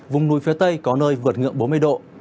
vùng núi phía tây có nơi vượt ngưỡng bốn mươi độ